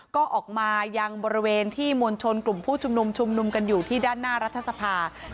ก็ออกมายังบริเวณที่มวลชนกลุ่มผู้ชุมนุมชุมนุมกันอยู่ที่ด้านหน้ารัฐสภา